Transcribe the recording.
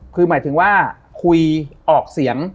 คือหมายถึงว่าคุยออกเสียง